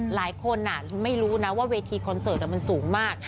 หลายคนไม่รู้นะว่าเวทีคอนเสิร์ตมันสูงมาก